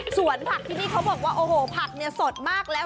ส่วนผักที่นี่เขาบอกว่าโอ้โหผักเนี่ยสดมากแล้ว